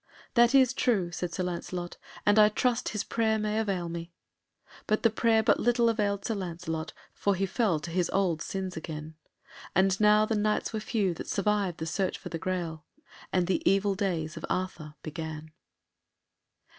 "That is true," said Sir Lancelot, "and I trust his prayer may avail me." But the prayer but little availed Sir Lancelot, for he fell to his old sins again. And now the Knights were few that survived the search for the Graal, and the evil days of Arthur began.